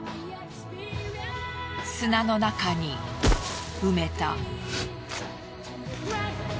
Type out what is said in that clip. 砂の中に埋めた。